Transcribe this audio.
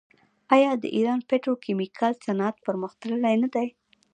آیا د ایران پتروکیمیکل صنعت پرمختللی نه دی؟